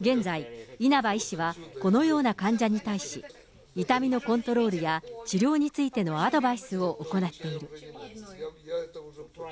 現在、稲葉医師はこのような患者に対し、痛みのコントロールや、治療についてのアドバイスを行っている。